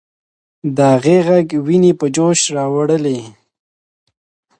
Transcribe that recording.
د هغې ږغ ويني په جوش راوړلې.